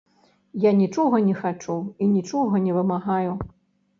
Я нічога не хачу і нічога не вымагаю.